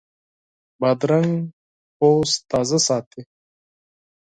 بادرنګ د پوستکي تازه ساتي.